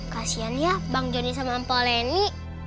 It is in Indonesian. kasian ya bang joni sama poleni